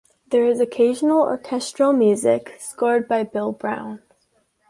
There is occasional orchestral music, scored by Bill Brown.